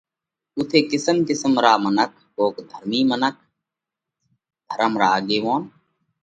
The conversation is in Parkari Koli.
اُوٿئہ گھڻا قِسم قِسم را منک، ڪوڪ ڌرمِي منک، ڌرم را آڳيوونَ،